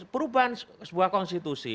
perubahan sebuah konstitusi